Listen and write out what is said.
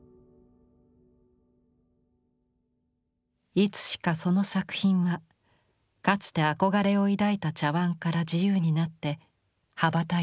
いつしかその作品はかつて憧れを抱いた茶碗から自由になって羽ばたいていた。